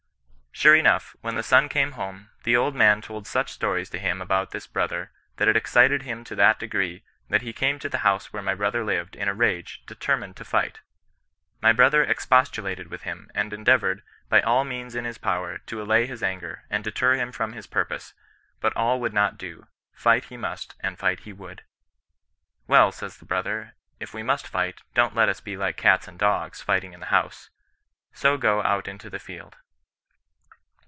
,^ Sure enough, when the son came home, the old man told such stories to him about this brother, that it excited him to that degree, that he came to the house where my brother lived, in a rage, determined to fight. My brother expostulated with him, and endeavoured, by all the means in his power, to allay his anger, and deter him from his purpose ; but all would not do ; fight he must, and fight he would. "' Well,' says the brother, ' if we must fight, don't let us be like cats and dogs, fighting in the house ; so go out into the field.'